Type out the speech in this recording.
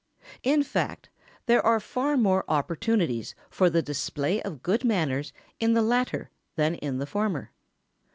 In fact, there are far more opportunities for the display of good manners in the latter than in the former.